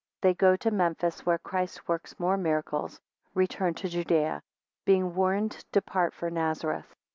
They go to Memphis, where Christ works more miracles. Return to Judea. 15 Being warned, depart for Nazareth.